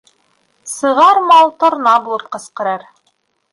Сығар мал торна булып ҡысҡырыр.